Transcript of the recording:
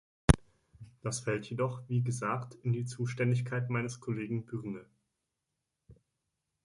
Das fällt jedoch, wie gesagt, in die Zuständigkeit meines Kollegen Byrne.